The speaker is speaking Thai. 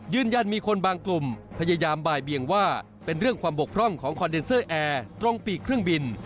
ยืนยันมีคนบางกลุ่มพยายามบ่ายเบียงว่าเป็นเรื่องความบกพร่องของคอนเดนเซอร์แอร์ตรงปีกเครื่องบิน